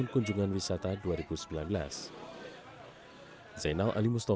penjual ikan asap di kampung ini